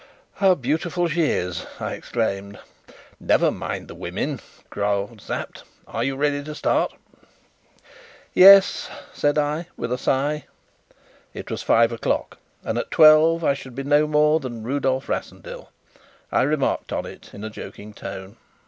"How beautiful she is!" I exclaimed. "Never mind the woman," growled Sapt. "Are you ready to start?" "Yes," said I, with a sigh. It was five o'clock, and at twelve I should be no more than Rudolf Rassendyll. I remarked on it in a joking tone.